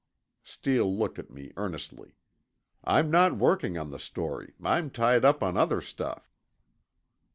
Steele looked at me earnestly. "I'm not working on the story—I'm tied up on other stuff."